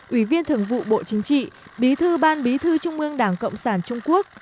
ủy viên thường vụ bộ chính trị bí thư ban bí thư trung ương đảng cộng sản trung quốc